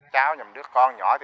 cháu nhầm đứa con nhỏ